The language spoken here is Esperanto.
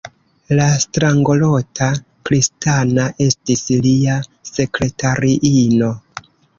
La strangolota Kristina estis lia sekretariino.